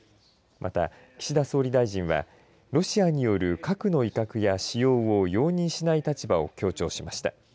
また、岸田総理大臣はロシアによる核の威嚇や使用を容認しない立場を強調しました。